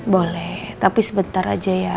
boleh tapi sebentar aja ya